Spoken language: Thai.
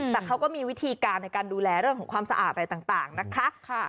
แต่เขาก็มีวิธีการในการดูแลเรื่องของความสะอาดอะไรต่างนะคะ